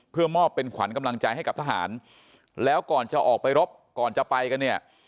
เพื่อมอบเป็นขวัญกำลังใจให้กับทหารแล้วก่อนจะออกไปรบก่อนจะไปกันเนี่ย